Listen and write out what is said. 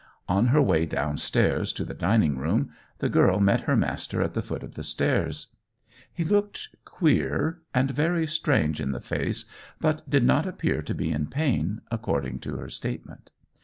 On her way downstairs to the dining room, the girl met her master at the foot of the stairs. He looked "queer" and very strange in the face, but did not appear to be in pain, according to her statement.